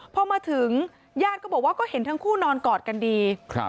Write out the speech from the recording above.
พอมาถึงญาติก็บอกว่าก็เห็นทั้งคู่นอนกอดกันดี